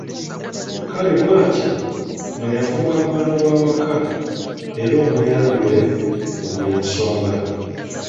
Kale bw'atyo nga yafuuka mwana wa waka, era omuyambi we mu buli nsonga.